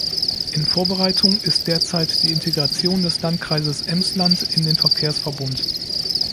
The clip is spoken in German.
In Vorbereitung ist derzeit die Integration des Landkreises Emsland in den Verkehrsverbund.